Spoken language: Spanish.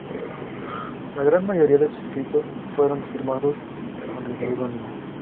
La gran mayoría de sus escritos fueron firmados con el seudónimo.